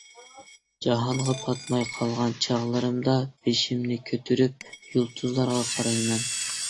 جاھانغا پاتماي قالغان چاغلىرىمدا، بېشىمنى كۆتۈرۈپ يۇلتۇزلارغا قارايمەن.